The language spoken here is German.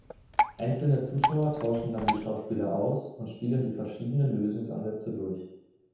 Einzelne Zuschauer tauschen dann die Schauspieler aus und spielen die verschiedenen Lösungsansätze durch.